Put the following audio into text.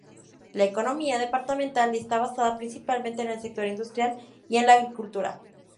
La economía departamental está basada principalmente en el sector industrial y en la agricultura.